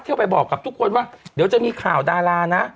เอาไปบอกกับทุกคนว่าเดี๋ยวจะมีข่าวดารานะ